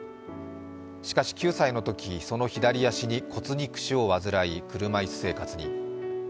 しかし、９歳のとき、その左脚に骨肉腫を患い車いす生活に。